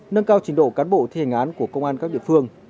nâng cao trình độ cán bộ thi hành án của công an các địa phương